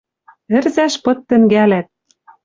Ӹрзӓш пыт тӹнгӓлӓт.